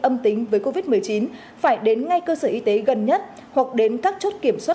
âm tính với covid một mươi chín phải đến ngay cơ sở y tế gần nhất hoặc đến các chốt kiểm soát